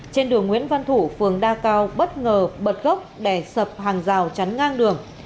trên đường nguyễn văn thủ phường đa cao bất ngờ bật gốc đè sập hàng rào chắn ngang đường